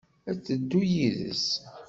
Ad d-teddu yid-s?